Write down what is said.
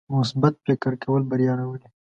مثبت فکر کول بریا راولي.